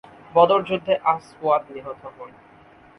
বদর যুদ্ধে আসওয়াদ নিহত হন।